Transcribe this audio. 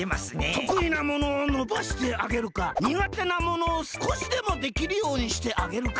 とくいなものをのばしてあげるかにがてなものをすこしでもできるようにしてあげるか。